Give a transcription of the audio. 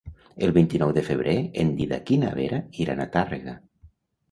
El vint-i-nou de febrer en Dídac i na Vera iran a Tàrrega.